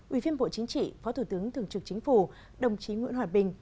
ubnd phó thủ tướng thường trực chính phủ đồng chí nguyễn hòa bình